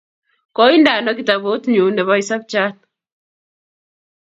Koinde ano kitabut nyu nepo Isapchat?